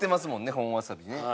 本わさびね。